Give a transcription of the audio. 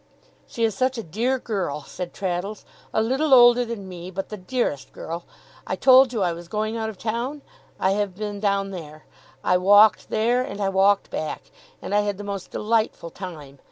'She is such a dear girl!' said Traddles; 'a little older than me, but the dearest girl! I told you I was going out of town? I have been down there. I walked there, and I walked back, and I had the most delightful time!